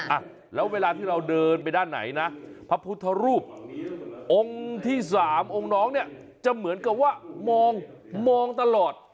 อ่ะแล้วเวลาที่เราเดินไปด้านไหนนะพระพุทธรูปองค์ที่สามองค์น้องเนี่ยจะเหมือนกับว่ามองมองตลอด